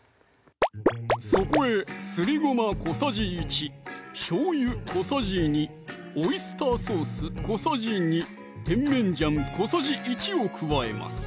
そこへすりごま小さじ１・しょうゆ小さじ２・オイスターソース小さじ２・甜麺醤小さじ１を加えます